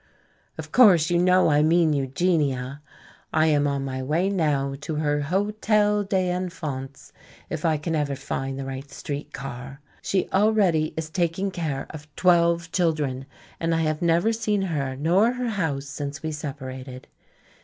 Of course, you know I mean Eugenia! I am on my way now to her Hotel des Enfants, if I can ever find the right street car. She already is taking care of twelve children, and I have never seen her nor her house since we separated.